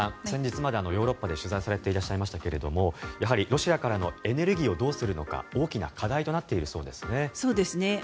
先日までヨーロッパで取材をされていましたがロシアからのエネルギーをどうするのか大きな課題となっているそうですね。